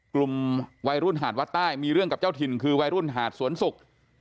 กลุ่มวัยรุ่นหาดวัดใต้มีเรื่องกับเจ้าถิ่นคือวัยรุ่นหาดสวนศุกร์